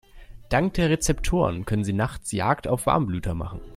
Dank der Rezeptoren können sie nachts Jagd auf Warmblüter machen.